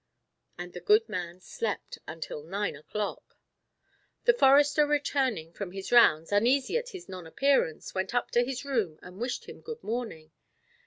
And the good man slept until nine o'clock. The forester returning from his rounds, uneasy at his non appearance, went up to his room and wished him good morning.